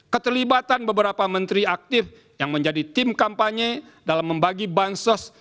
keterlibatan beberapa menteri aktif yang menjadi tim kampanye dalam membagi bansos